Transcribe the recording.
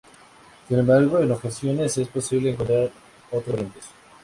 Sin embargo, en ocasiones es posible encontrar otras variantes.